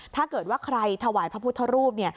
ถ้าเกิดว่าใครถวายพระพุทธรูป